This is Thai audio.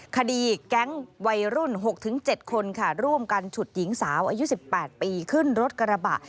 คดีแก๊งวัยรุ่นหกถึงเจ็ดคนค่ะร่วมกันฉุดหญิงสาวอายุสิบแปดปีขึ้นรถกระบะ